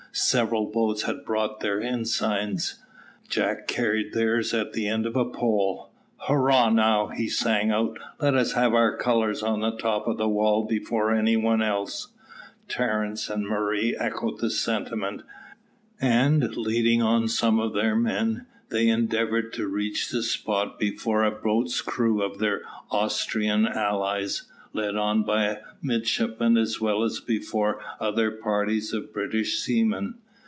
Several boats had brought their ensigns, Jack carried theirs at the end of a pole. "Hurrah, now!" he sang out; "let us have our colours on the top of the wall before any one else." Terence and Murray echoed the sentiment; and, leading on some of their men, they endeavoured to reach the spot before a boat's crew of their Austrian allies, led on by a midshipman, as well as before other parties of British seamen.